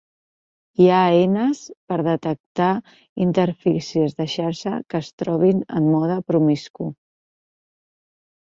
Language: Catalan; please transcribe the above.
Hi ha eines per detectar interfícies de xarxa que es trobin en mode promiscu.